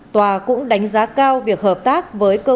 tòa cũng đánh giá cao việc hợp tác với cơ quan